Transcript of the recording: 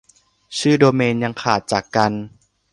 ชื่อโดเมนยังขาดจากกัน